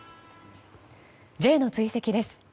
Ｊの追跡です。